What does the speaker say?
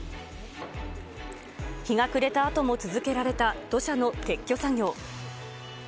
日が暮れたあとも続けられた土砂の撤去作業。